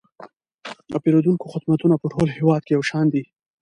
د پیرودونکو خدمتونه په ټول هیواد کې یو شان دي.